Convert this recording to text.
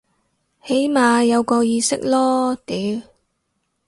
起碼有個意識囉屌